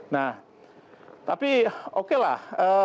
nah tapi oke lah